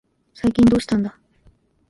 最近どうしたんだ。